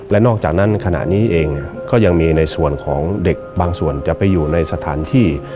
และนอกจากนั้นขณะนี้เองก็ยังมีในส่วนของเด็กบางส่วนจะไปอยู่ในสถานที่